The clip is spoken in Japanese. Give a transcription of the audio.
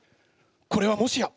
これはもしや！